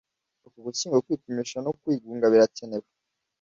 Uku Ugushyingo kwipimisha no kwigunga birakenewe.